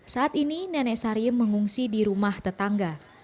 saat ini nenek sariem mengungsi di rumah tetangga